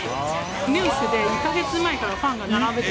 ニュースで１か月前からファンが並ぶって。